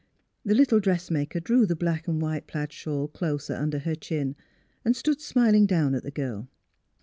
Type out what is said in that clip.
The little dressmaker drew the black and white plaid shawl closer under her chin, and stood smiling down at the girl.